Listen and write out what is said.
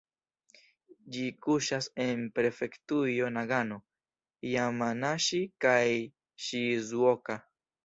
Ĝi kuŝas en prefektujoj Nagano, Jamanaŝi kaj Ŝizuoka.